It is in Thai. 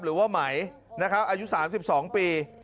หรือว่าไหมนะครับอายุ๓๒ปี